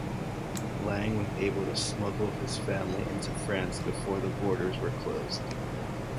Lang was able to smuggle his family into France before the borders were closed.